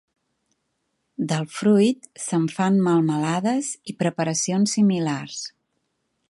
Del fruit se'n fan melmelades i preparacions similars.